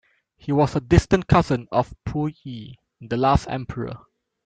He was a distant cousin of Puyi, the Last Emperor.